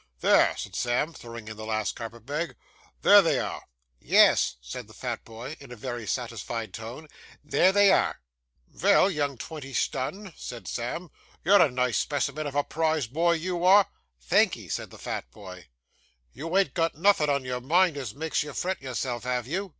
'There,' said Sam, throwing in the last carpet bag, 'there they are!' 'Yes,' said the fat boy, in a very satisfied tone, 'there they are.' 'Vell, young twenty stun,' said Sam, 'you're a nice specimen of a prize boy, you are!' Thank'ee,' said the fat boy. 'You ain't got nothin' on your mind as makes you fret yourself, have you?